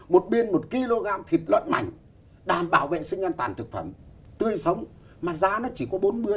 một biên một kg thịt lợn mảnh đảm bảo vệ sinh an toàn thực phẩm tươi sống mà giá nó chỉ có bốn mươi